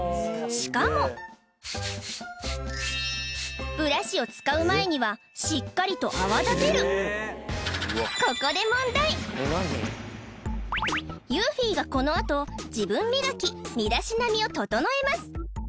しかもブラシを使う前にはしっかりと泡立てるここで問題ユーフィーがこのあと自分磨き身だしなみを整えます